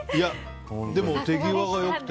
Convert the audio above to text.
でも、手際が良くて。